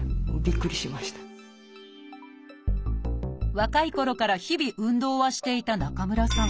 若いころから日々運動はしていた中村さん。